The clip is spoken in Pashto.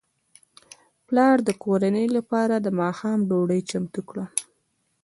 پلار د کورنۍ لپاره د ماښام ډوډۍ چمتو کړه.